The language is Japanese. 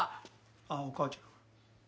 あっお母ちゃん。